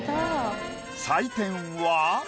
採点は。